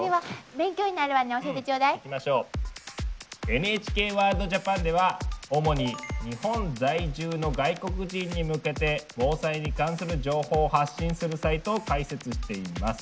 「ＮＨＫＷＯＲＬＤＪＡＰＡＮ」では主に日本在住の外国人に向けて防災に関する情報を発信するサイトを開設しています。